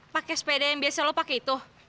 pakai sepeda yang biasa lo pakai itu